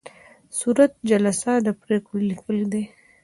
صورت جلسه د پریکړو لیکل دي